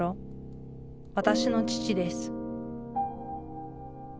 私の父です